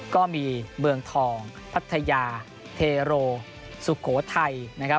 ก็มีเบืองทองพัทยาเทโรสุโขไทย